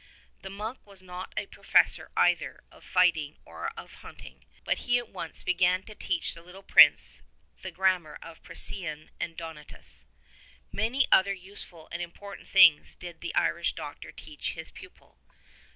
The monk was not a professor either of fighting or of hunting, but he at once began to teach the little prince the grammar of Priscian and Donatus. Many other useful and important things did the Irish Doctor teach his pupil.